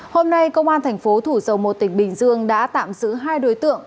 hôm nay công an thành phố thủ dầu một tỉnh bình dương đã tạm giữ hai đối tượng